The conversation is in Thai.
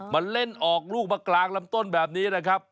มันเล่นออกลูกมากลางลำต้นแบบนี้นะครับ